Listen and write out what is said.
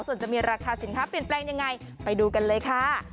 ส่วนจะมีราคาสินค้าเปลี่ยนแปลงยังไงไปดูกันเลยค่ะ